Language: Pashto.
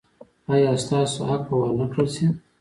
ایا ستاسو حق به ور نه کړل شي؟